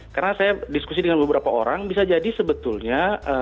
karena saya diskusi dengan beberapa orang bisa jadi sebetulnya